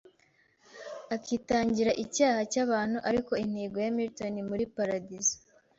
akitangira icyaha cyabantu Ariko intego ya Milton muri paradizo